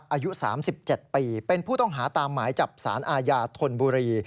อายุ๓๗ปีเป็นผู้ต้องหาตามหมายจับสารอาญาธนบุรี